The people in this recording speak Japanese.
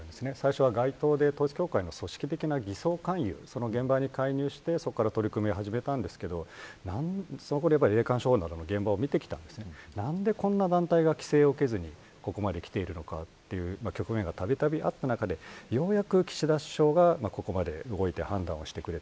最初は協会の組織的な偽装関与し現場に介入して取り組みを始めたんですけど霊感商法などの現場を見てきたんですがなんでこんな団体が規制を受けずにここまで来ているのかという局面がたびたびあった中で、ようやく岸田首相がここまで動いて判断をしてくれた。